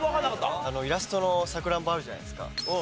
あのイラストのサクランボあるじゃないですか。